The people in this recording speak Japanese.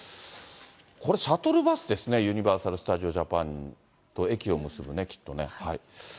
これ、シャトルバスですね、ユニバーサル・スタジオ・ジャパンと駅を結ぶね、きっとね。